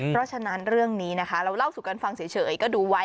เพราะฉะนั้นเรื่องนี้นะคะเราเล่าสู่กันฟังเฉยก็ดูไว้